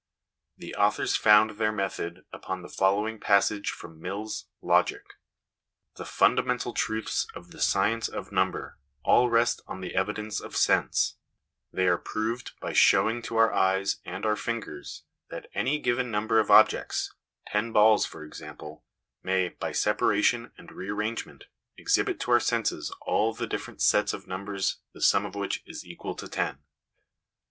The authors found their method upon the following passage from Mill's Logic :" The fundamental truths of the science of Number all rest on the evidence of sense ; they are proved by showing to our eyes and our fingers that any given number of objects, ten balls for example, may by separation and re arrangement exhibit to our senses all the different sets of numbers the sum of which is equal to ten.